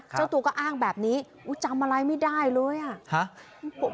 เจ้าตัวก็อ้างแบบนี้จำอะไรไม่ได้เลยอ่ะฮะ